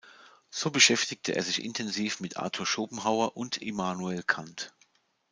So beschäftigte er sich intensiv mit Arthur Schopenhauer und Immanuel Kant.